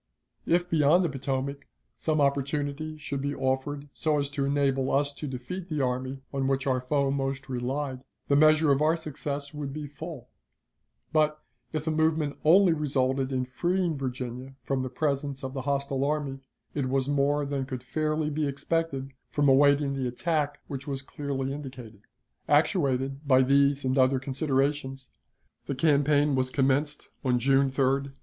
If, beyond the Potomac, some opportunity should be offered so as to enable us to defeat the army on which our foe most relied, the measure of our success would be full; but, if the movement only resulted in freeing Virginia from the presence of the hostile army, it was more than could fairly be expected from awaiting the attack which was clearly indicated. Actuated by these and other considerations, the campaign was commenced on June 3, 1863.